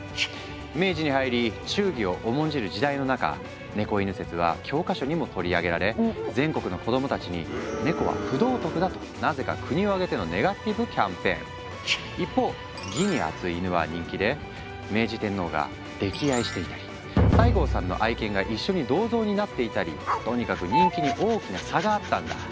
明治に入り忠義を重んじる時代の中「猫狗説」は教科書にも取り上げられ全国の子供たちに「ネコは不道徳だ」となぜか国を挙げてのネガティブキャンペーン。一方義に厚いイヌは人気で明治天皇が溺愛していたり西郷さんの愛犬が一緒に銅像になっていたりとにかく人気に大きな差があったんだ。